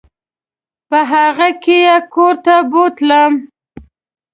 په هغه کې یې کور ته بوتلم.